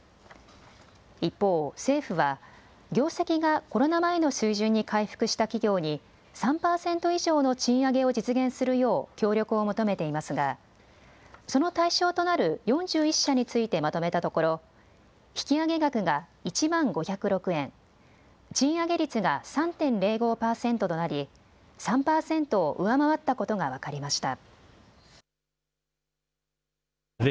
一方、政府は業績がコロナ前の水準に回復した企業に３％以上の賃上げを実現するよう協力を求めていますがその対象となる４１社についてまとめたところ引き上げ額が１万５０６円、賃上げ率が３．０５％となり３％を上回ったことが分かりました。